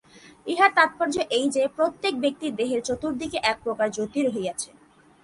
ইহার তাৎপর্য এই যে, প্রত্যেক ব্যক্তির দেহের চতুর্দিকে এক প্রকার জ্যোতি রহিয়াছে।